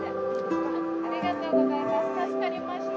ありがとうございます。